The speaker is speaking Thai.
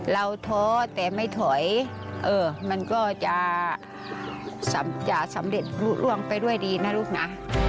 ท้อแต่ไม่ถอยมันก็จะสำเร็จลุร่วงไปด้วยดีนะลูกนะ